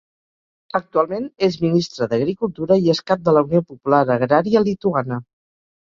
Actualment és ministra d'agricultura i és cap de la Unió Popular Agrària Lituana.